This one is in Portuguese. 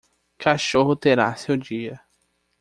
Cachorro terá seu dia